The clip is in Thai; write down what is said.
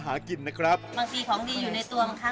คิกคิกคิกคิกคิกคิก